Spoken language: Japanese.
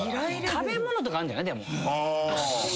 食べ物とかあんじゃない？